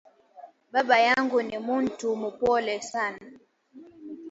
Baba yangu ni muntu mupole sana